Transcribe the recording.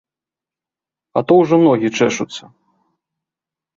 А то ўжо ногі чэшуцца.